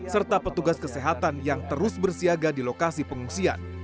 serta petugas kesehatan yang terus berhubungan dengan covid sembilan belas